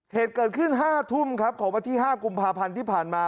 เหตุเกิดขึ้น๕ทุ่มครับของวันที่๕กุมภาพันธ์ที่ผ่านมา